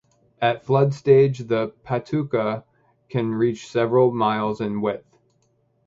At floodstage the Patuca can reach several miles in width.